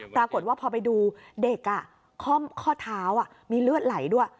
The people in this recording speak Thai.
ปรากฏว่าพอไปดูเด็กข้อเท้ามีเลือดไหลด้วย